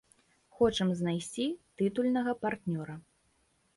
Хочам знайсці тытульнага партнёра.